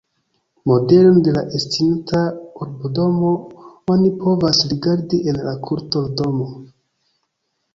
Modelon de la estinta urbodomo oni povas rigardi en la kulturdomo.